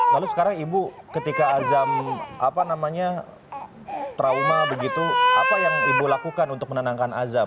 lalu sekarang ibu ketika azam apa namanya trauma begitu apa yang ibu lakukan untuk menenangkan azam